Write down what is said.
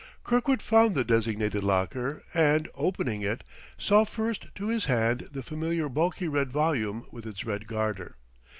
Kirkwood found the designated locker and, opening it, saw first to his hand the familiar bulky red volume with its red garter.